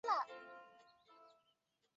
萨莱尔姆。